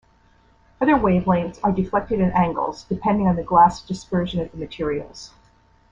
Other wavelengths are deflected at angles depending on the glass dispersion of the materials.